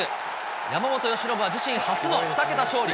山本由伸は自身初の２桁勝利。